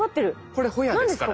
これホヤですからね。